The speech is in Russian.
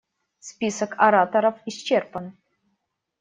Список ораторов исчерпан.